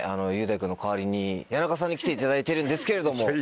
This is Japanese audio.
雄大君の代わりに谷中さんに来ていただいてるんですけれども。